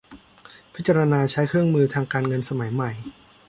พิจารณาใช้เครื่องมือทางการเงินสมัยใหม่